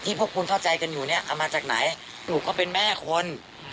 ที่พวกพูนเข้าใจจะเนี่ยเอามาจากไหนจริงหนูก็เป็นแม่คน